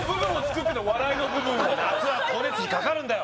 夏は光熱費かかるんだよ